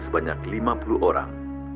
sebanyak lima puluh orang